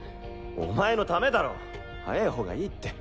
お前のためだろ早いほうがいいって。